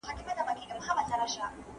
ما مي په اورغوي کي د فال نښي وژلي دي